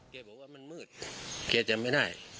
เกษตร์บอกว่ามันมืดเกษตร์จำไม่ได้